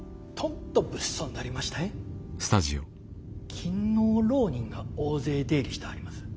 勤王浪人が大勢出入りしてはります。